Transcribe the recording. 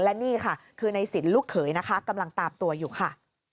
และนี่ค่ะคือในสินลูกเขยนะคะกำลังตามตัวอยู่ค่ะ